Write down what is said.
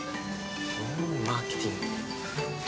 マーケティング？